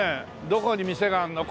どこに店があるの？